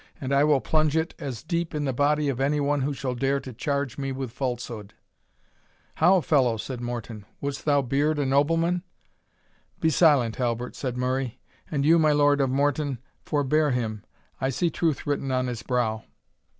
And I will plunge it as deep in the body of any one who shall dare to charge me with falsehood." "How, fellow!" said Morton, "wouldst thou beard a nobleman?" "Be silent, Halbert," said Murray, "and you, my Lord of Morton, forbear him. I see truth written on his brow."